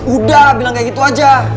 udah bilang kayak gitu aja